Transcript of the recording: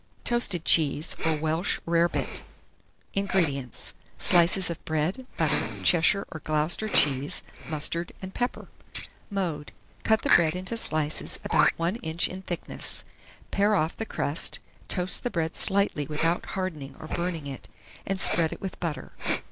TOASTED CHEESE, or WELSH RARE BIT. 1652. INGREDIENTS. Slices of bread, butter, Cheshire or Gloucester cheese, mustard, and pepper. Mode. Cut the bread into slices about 1/2 inch in thickness; pare off the crust, toast the bread slightly without hardening or burning it, and spread it with butter.